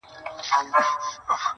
• دا چي لوی سي نو که نن وي که سبا وي -